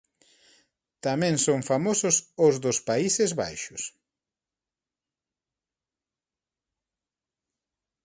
Tamén son famosos os dos Países Baixos.